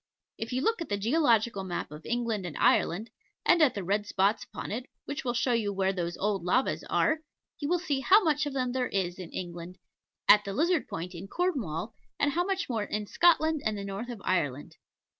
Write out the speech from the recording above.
If you look at the Geological Map of England and Ireland, and the red spots upon it, which will show you where those old lavas are, you will see how much of them there is in England, at the Lizard Point in Cornwall, and how much more in Scotland and the north of Ireland.